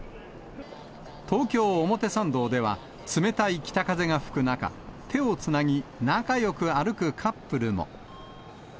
東京・表参道では、冷たい北風が吹く中、手をつなぎ、仲よく歩くカップルも。